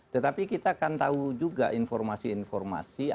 tetapi kita akan tahu juga informasi informasi